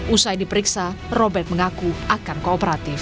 usai diperiksa robert mengaku akan kooperatif